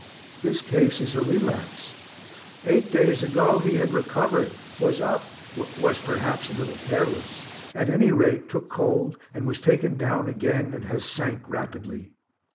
His case is a relapse eight days ago he had recovered, was up, was perhaps a little careless at any rate took cold, was taken down again and has sank rapidly.